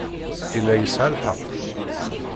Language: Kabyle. Yella yesɛa lḥeqq.